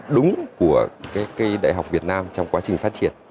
đúng của cái đại học việt nam trong quá trình phát triển